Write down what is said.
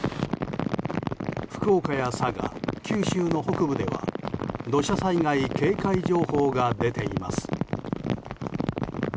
福岡や佐賀、九州の北部では土砂災害警戒情報が出ています。